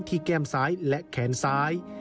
แก้มซ้ายและแขนซ้าย